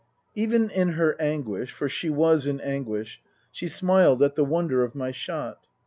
Even in her anguish for she was in anguish she smiled at the wonder of my shot.